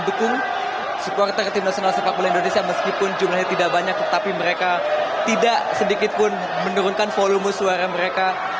jumlahnya tidak banyak tetapi mereka tidak sedikitpun menurunkan volume suara